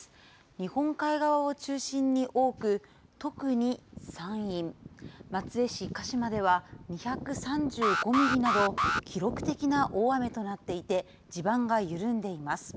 日本海側を中心に多く、特に山陰、松江市鹿島では、２３５ミリなど、記録的な大雨となっていて、地盤が緩んでいます。